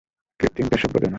কৃত্রিম প্রসব বেদনা।